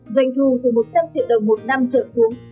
doanh thu từ một trăm linh triệu đồng một năm trở xuống